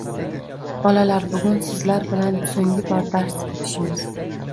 Bolalar, bugun sizlar bilan so`nggi bor dars o`tishimiz